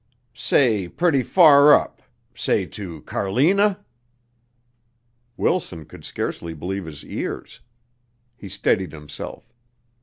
"Say pretty far up Say to Carlina?" Wilson could scarcely believe his ears. He steadied himself.